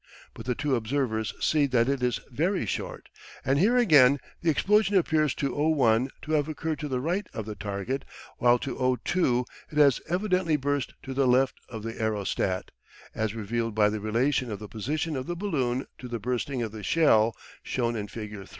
But the two observers see that it is very short, and here again the explosion appears to O1 to have occurred to the right of the target, while to O2 it has evidently burst to the left of the aerostat, as revealed by the relation of the position of the balloon to the bursting of the shell shown in Fig.